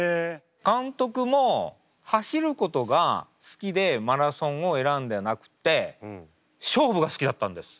監督も走ることが好きでマラソンを選んでなくて勝負が好きだったんです。